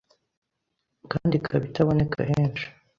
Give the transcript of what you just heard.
kandi ikaba itaboneka henshi